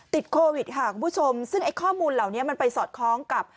ติดโควิดค่ะคุณผู้ชมซึ่งไอ้ข้อมูลเหล่านี้มันไปสอดคล้องกับ